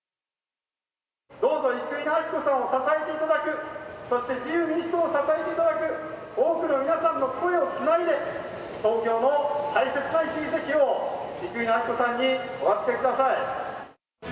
どうぞ生稲晃子さんを支えていただく、そして自由民主党を支えていただく、多くの皆さんの声をつないで、東京の大切な１議席を生稲晃子さんにお預けください。